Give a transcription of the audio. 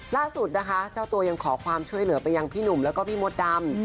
ล่าสุดนะคะเจ้าตัวยังขอความช่วยเหลือไปยังพี่หนุ่มแล้วก็พี่มดดำ